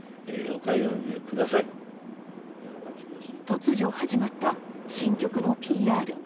突如始まった新曲のＰＲ。